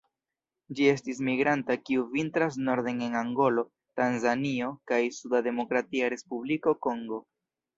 Ĝi estas migranta kiu vintras norden en Angolo, Tanzanio kaj suda Demokratia Respubliko Kongo.